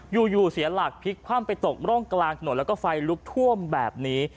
อยู่เสียหลักพลิกคว่ำไปตกร่องกลางถนนแล้วก็ไฟลุกท่วมแบบนี้